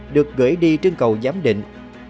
được gửi đi trên cầu giám định